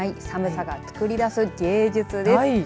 寒さが作り出す芸術です。